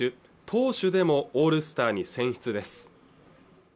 投手でもオールスターに選出です